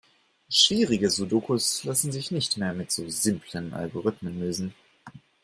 Schwierige Sudokus lassen sich nicht mehr mit so simplen Algorithmen lösen.